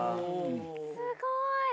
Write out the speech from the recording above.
すごい！